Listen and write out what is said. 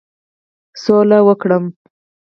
سوله وکړم.